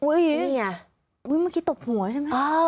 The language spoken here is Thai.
อุ๊ยนี่ไงอุ๊ยเมื่อกี้ตบหัวใช่ไหม